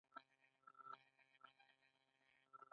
بزګر ځمکه یوي کوي او پکې تخم شیندي.